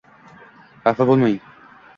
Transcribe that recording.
Xafa bo‘lmang: